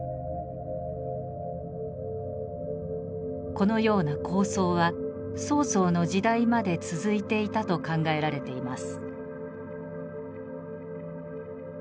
このような厚葬は曹操の時代まで続いていたと考えられています。